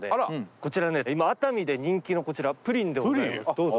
こちらね今熱海で人気のこちらプリンでございますどうぞ。